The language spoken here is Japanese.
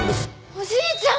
おじいちゃん！